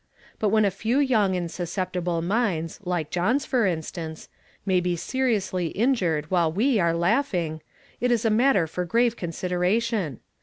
But when a few young and susceptible minds, like John's for instance, may be seriously injured while we are laughing, it is a matter for grave consideration.